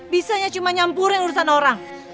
bisanya cuma nyampurin urusan orang